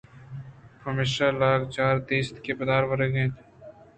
پمیشا لاگ چاردست ءُ پاد رَوَگ ءَ اَت